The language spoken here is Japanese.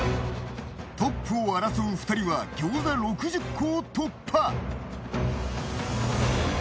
トップを争う２人は餃子６０個を突破。